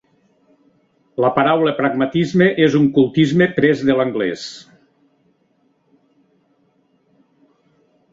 La paraula pragmatisme és un cultisme pres de l'anglès.